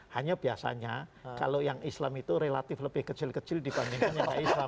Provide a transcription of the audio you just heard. hanya biasanya kalau yang islam itu relatif lebih kecil kecil dibandingkan sama islam